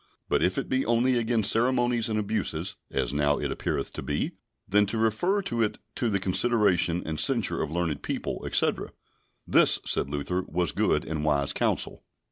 But if it be only against ceremonies and abuses (as now it appeareth to be) then to refer it to the consideration and censure of learned people," etc. This, said Luther, was good and wise counsel.